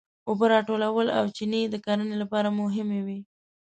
اوبه راټولول او چینې د کرنې لپاره مهمې وې.